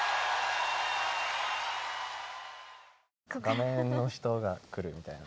画面の人が来るみたいな。